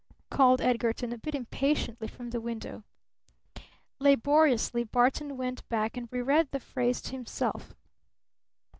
called Edgarton, a bit impatiently, from the window. Laboriously Barton went back and reread the phrase to himself.